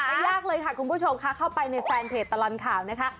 หลับมาเลือกเลยค่ะคุณผู้ทรงคะเข้าไปในแฟนเพจตลังข่าวนะคะ